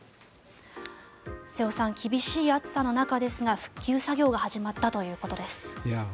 瀬尾さん、厳しい暑さの中ですが復旧作業が始まったということです。